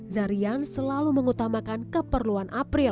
zarian selalu mengutamakan keperluan april